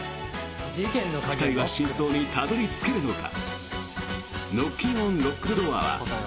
２人は真相にたどり着けるのか。